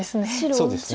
そうですね。